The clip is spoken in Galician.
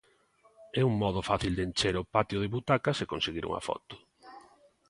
É un modo fácil de encher o patio de butacas e conseguir unha foto.